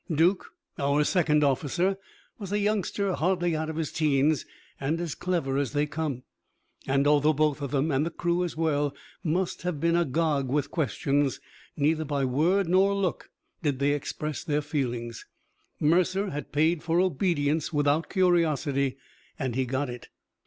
Duke, our second officer, was a youngster hardly out of his 'teens, and as clever as they come. And although both of them, and the crew as well, must have been agog with questions, neither by word nor look did they express their feelings. Mercer had paid for obedience without curiosity, and he got it.